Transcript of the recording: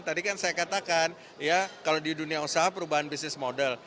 tadi kan saya katakan ya kalau di dunia usaha perubahan bisnis model